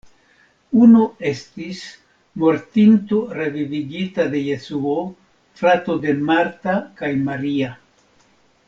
Unu estis mortinto revivigita de Jesuo, frato de Marta kaj Maria.